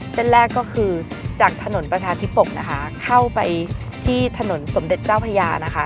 เส้นแรกก็คือจากถนนประชาธิปกนะคะเข้าไปที่ถนนสมเด็จเจ้าพญานะคะ